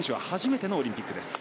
初めてのオリンピック。